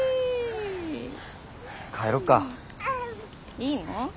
いいの？